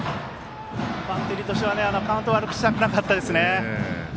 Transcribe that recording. バッテリーとしてはカウントを悪くしたくなかったですね。